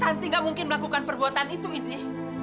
tante nggak mungkin melakukan perbuatan itu ibi